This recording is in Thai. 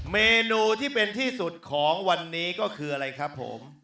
เมนูที่เป็นที่สุดของวันนี้ก็คืออะไรครับผม